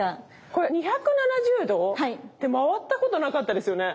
これ２７０度って回ったことなかったですよね。